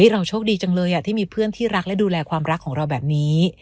เราโชคดีจังเลยที่มีเพื่อนที่รักและดูแลความรักของเราแบบนี้